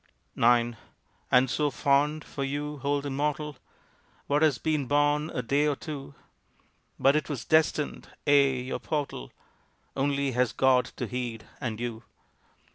IX And so fond! for you hold immortal What has been born a day or two! "But it was destined?" Ay, your portal Only has God to heed and you!